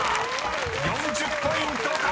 ［４０ポイント獲得です］